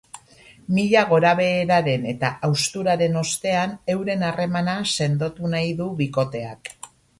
Mila gorabeheraren eta hausturaren ostean, euren harremana sendotu nahi du bikoteak.